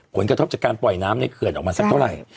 ผลกระทบจากการปล่อยน้ำในเขื่อนออกมาสักเท่าไหร่